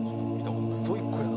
ストイックやな。